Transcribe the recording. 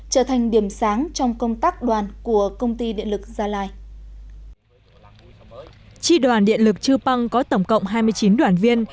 trở thành điểm sáng trong công tác đoàn của công ty điện lực gia lai